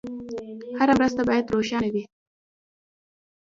هره مرسته باید روښانه وي.